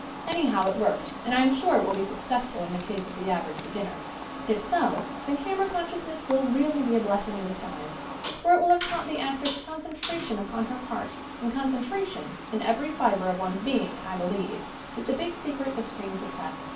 Anyhow it worked and I am sure it will be successful in the case of the average beginner. If so, then camera consciousness will really be a blessing in disguise, for it will have taught the actress SCREEN ACTING 75 concentration upon her part and concentration, in every fiber of one's being, I believe, is the big secret of screen success.